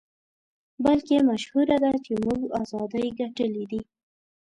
بلکې مشهوره ده چې موږ ازادۍ ګټلې دي.